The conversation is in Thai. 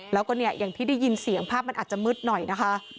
แล้วก็เนี่ยอย่างที่ได้ยินเสียงภาพมันอาจจะมืดหน่อยนะคะ